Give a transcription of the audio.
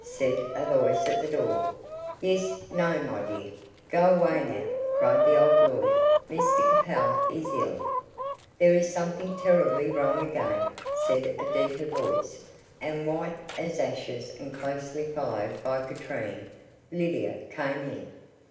said a voice at the door. "Yes no, my dear. Go away now," cried the old lawyer, "Mr Capel is ill." "There is something terribly wrong again," said a deeper voice, and, white as ashes and closely followed by Katrine, Lydia came in.